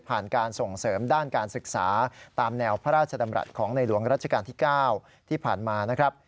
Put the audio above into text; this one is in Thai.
การส่งเสริมด้านการศึกษาตามแนวพระราชดำรัฐของในหลวงรัชกาลที่๙ที่ผ่านมานะครับ